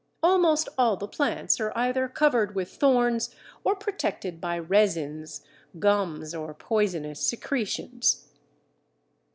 Almost all the plants are either covered with thorns or protected by resins, gums, or poisonous secretions.